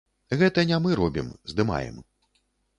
Гэта не мы робім, здымаем.